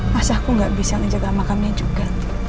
mas aku gak bisa ngejaga makamnya juga